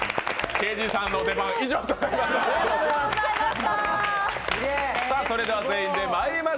ＫＺさんの出番、以上となります。